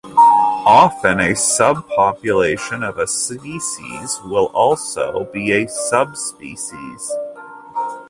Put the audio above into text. Often a subpopulation of a species will also be a subspecies.